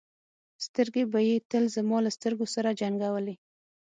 سترګې به یې تل زما له سترګو سره جنګولې.